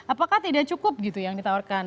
apakah tidak cukup gitu yang ditawarkan